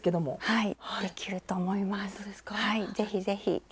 はい。